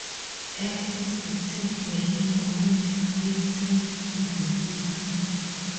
As his acting career waned, he turned to producing.